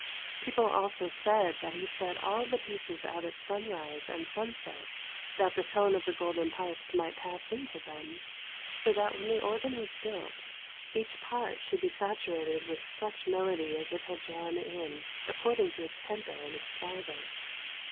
People also ^aid that he set all the pieces out at sunrise and sunset that the tone of the Golden Pipes might pass into them, so that when the organ was built, each part should be saturated with such melody as it had drawn in, according to its temper and its fibre.